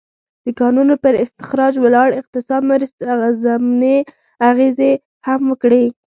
د کانونو پر استخراج ولاړ اقتصاد نورې ضمني اغېزې هم وکړې.